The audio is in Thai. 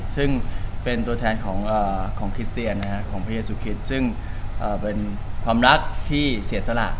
ซึ่งเป็นตัวแทนของคริสเตียนของพี่เอสุคิตซึ่งเป็นความรักที่เสียสละ